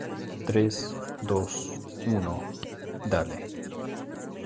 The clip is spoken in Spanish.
tres, dos, uno... ¡ dale!